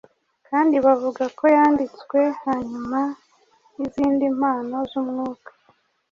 Kandi bavuga ko yanditswe hanyuma y’izindi mpano z’Umwuka